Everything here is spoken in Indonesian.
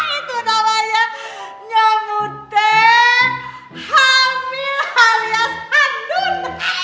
itu namanya nyamud teh hamil alias andun